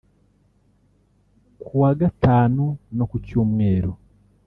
kuwa gatanu no ku cyumweru